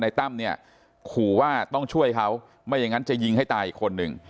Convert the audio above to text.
ตั้มเนี่ยขู่ว่าต้องช่วยเขาไม่อย่างนั้นจะยิงให้ตายอีกคนหนึ่ง